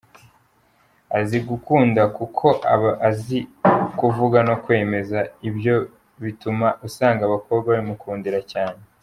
Azi gukunda kuko aba azi kuvuga no kwemeza, ibyo bituma usanga abakobwa babimukundira cyane.